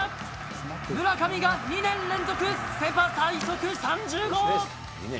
村上が２年連続、セ・パ最速３０号！